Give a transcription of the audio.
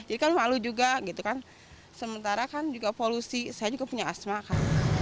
jadi kan malu juga sementara kan juga polusi saya juga punya asma